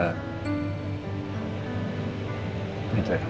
yang penting terus berusaha